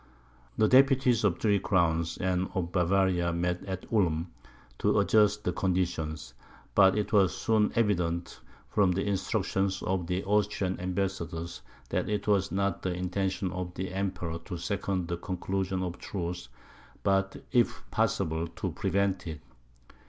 The deputies of the three crowns, and of Bavaria, met at Ulm, to adjust the conditions. But it was soon evident, from the instructions of the Austrian ambassadors that it was not the intention of the Emperor to second the conclusion of a truce, but if possible to prevent it.